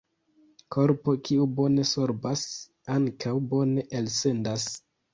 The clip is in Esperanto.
Korpo kiu bone sorbas ankaŭ bone elsendas.